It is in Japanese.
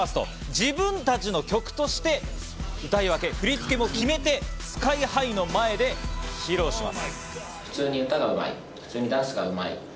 自分たちの曲として歌い分け、振り付けも決めて、ＳＫＹ−ＨＩの前で披露します。